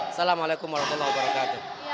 assalamualaikum wr wb